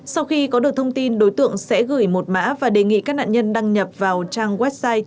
sau khi có được thông tin đối tượng sẽ gửi một mã và đề nghị các nạn nhân đăng nhập vào trang website